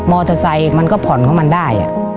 มอเตอร์ไซค์มันก็ผ่อนเข้ามาได้